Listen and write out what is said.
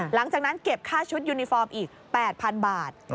หลังจากนั้นเก็บค่าชุดยูนิฟอร์มอีก๘๐๐๐บาท